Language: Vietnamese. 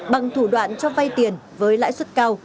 bằng thủ đoạn cho vay tiền với lãi suất cao